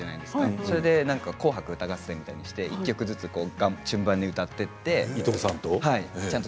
それで「紅白歌合戦」みたいな感じにして１曲ずつ順番に伊藤さんも？